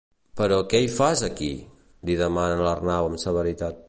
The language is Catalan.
Però què hi fas, aquí? —li demana l'Arnau amb severitat.